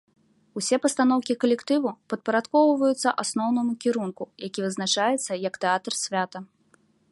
Усе пастаноўкі калектыву падпарадкоўваюцца асноўнаму кірунку, які вызначаецца як тэатр-свята.